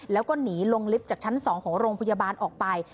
แล้วก็หนีลงลิฟต์จากชั้น๒ของโรงพยาบาลออกไป